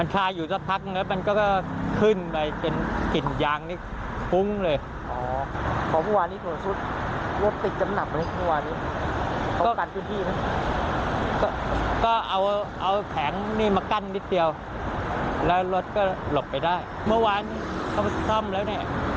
ก็เอาแผงนี่มากั้นนิดเดียวแล้วรถก็หลบไปได้เมื่อวานเขาไปซ่อมแล้วเนี่ย